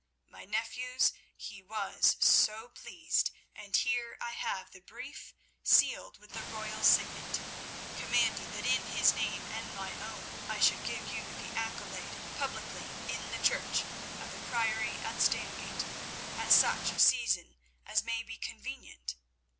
"My nephews, he was so pleased, and here I have the brief sealed with the royal signet, commanding that in his name and my own I should give you the accolade publicly in the church of the Priory at Stangate at such season as may be convenient.